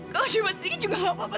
kamu coba sedikit juga gak apa apa